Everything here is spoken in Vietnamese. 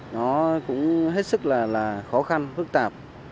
nó cũng hết sức là khó khăn phức tạp